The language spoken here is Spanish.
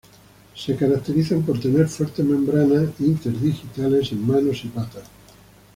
Se caracterizan por tener fuertes membranas interdigitales en manos y patas.